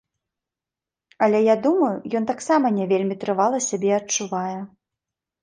Але, думаю, ён таксама не вельмі трывала сябе адчувае.